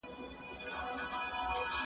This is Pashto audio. آیا عملیات تر خوړلو درملو سخت دی؟